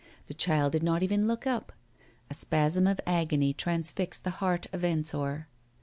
The child did not even look up. A spasm of agony trans fixed the heart of Ensor.